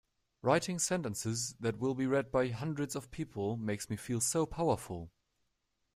Writing sentences that will be read by hundreds of people makes me feel so powerful!